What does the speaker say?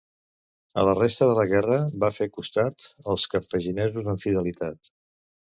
A la resta de la guerra va fer costat als cartaginesos amb fidelitat.